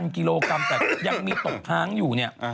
กิโลกรัมแต่ยังมีตกค้างอยู่เนี่ย